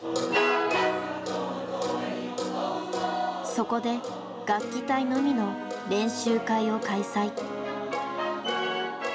そこで楽器隊のみの練習会を開催。